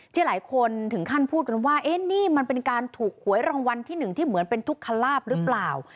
ที่หลายคนถึงขั้นพูดกันว่านี่มันเป็นการถูกหวยรางวัลที่หนึ่งที่เหมือนเป็นทุกขลาบหรือเปล่า